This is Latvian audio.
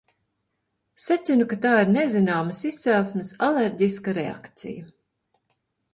Secinu, ka tā ir nezināmas izcelsmes alerģiska reakcija.